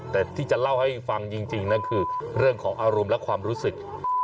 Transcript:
แต่ที่จะเล่าให้ฟังจริงนะคือเรื่องของอารมณ์และความรู้สึก